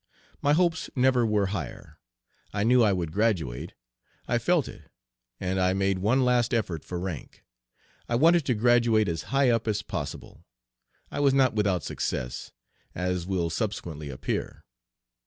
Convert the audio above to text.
My hopes never were higher; I knew I would graduate. I felt it, and I made one last effort for rank. I wanted to graduate as high up as possible. I was not without success, as will subsequently appear.